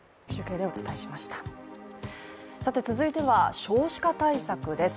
続いては少子化対策です。